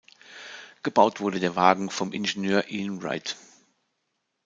Gebaut wurde der Wagen vom Ingenieur Ian Wright.